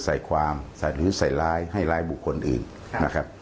ใส่ความใส่หรือใส่ร้ายให้ร้ายบุคคลอื่นนะครับ